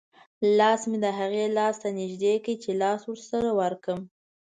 لاس مې د هغې لاس ته نږدې کړ چې لاس ورسره ورکړم.